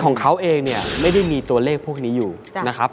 ของเขาเองเนี่ยไม่ได้มีตัวเลขพวกนี้อยู่นะครับ